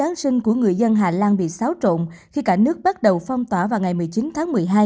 nhiều người dân hà lan bị xáo trộn khi cả nước bắt đầu phong tỏa vào ngày một mươi chín tháng một mươi hai